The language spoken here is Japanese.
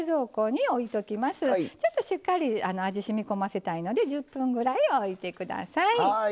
ちょっとしっかり味しみ込ませたいので１０分ぐらいおいて下さい。